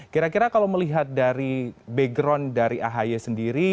kira kira kalau melihat dari background dari ahy sendiri